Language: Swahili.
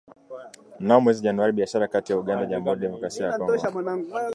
Mnamo mwezi Januari, biashara kati ya Uganda na jamuhuri ya kidemokrasia ya Kongo